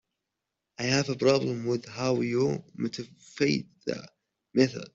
I have a problem with how you motivate the method.